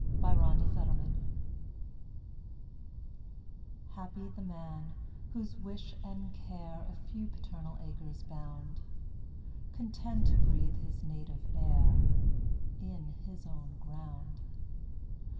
Y Z Solitude HAPPY the man, whose wish and care A few paternal acres bound, Content to breathe his native air In his own ground.